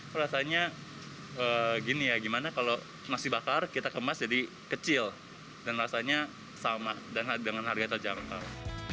rasanya gini ya gimana kalau nasi bakar kita kemas jadi kecil dan rasanya sama dan dengan harga terjangkau